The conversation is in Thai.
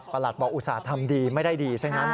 ประหลัดบอกอุตสาธิตทำดีไม่ได้ดีใช่ไหม